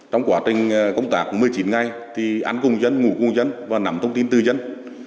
trong quá trình công tác một mươi chín ngày thì ăn cùng dân ngủ cùng dân và nắm thông tin từ dân